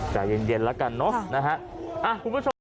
อ๋อใจเย็นแล้วกันเนอะคุณผู้ชม